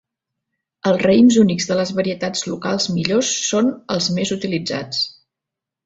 Els raïms únics de les varietats locals millors són els més utilitzats.